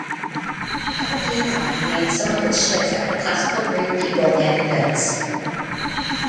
Aberdeen Line named some of its ships after classical Greek people and events.